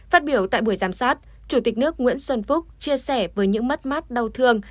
phát biểu tại buổi giám sát chủ tịch nước nguyễn xuân phúc chia sẻ với những mất mát đau thương